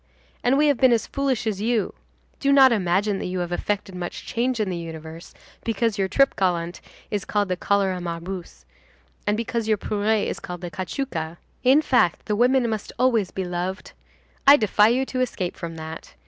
And we have been as foolish as you. Do not imagine that you have effected much change in the universe, because your trip gallant is called the cholera morbus, and because your pourrée is called the cachuca. In fact, the women must always be loved. I defy you to escape from that.